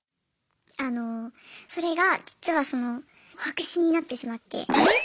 あのそれが実はその白紙になってしまって。